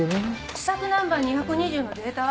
試作ナンバー２２０のデータは？